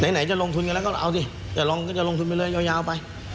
ไหนจะลงทุนกันแล้วก็เอาสิจะลงทุนไปเลยยาวไป